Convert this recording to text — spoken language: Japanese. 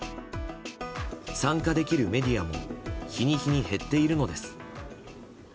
参加できるメディアも日に日に減っているのです。